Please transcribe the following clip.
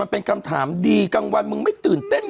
มันเป็นคำถามดีกลางวันมึงไม่ตื่นเต้น